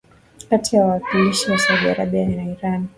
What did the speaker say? kati ya wawakilishi wa Saudi Arabia na Iran